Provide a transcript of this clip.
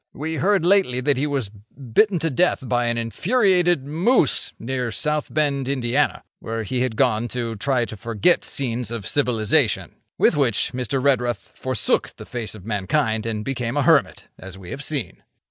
We heard lately that he was bitten to death by an infuriated moose near South Bend, Ind., where he had gone to try to forget scenes of civilisation.' With which, Mr. Redruth forsook the face of mankind and became a hermit, as we have seen.